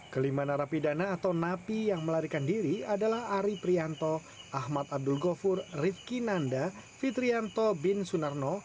kelima narapidana atau napi yang melarikan diri adalah ari prianto ahmad abdul ghafur rifki nanda fitrianto bin sunarno